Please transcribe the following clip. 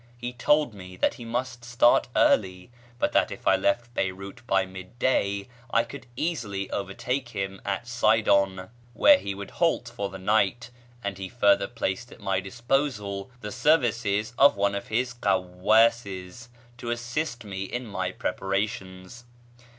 He told me that he must start early, but that if I left Beyrout by mid day I could easily overtake him at Sidon, where he would halt for the night; and he further placed at my disposal the services of one of his kawwáses to assist me in my preparations.